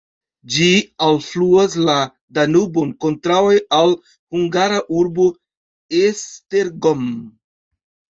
Ĝi alfluas la Danubon kontraŭe al hungara urbo Esztergom.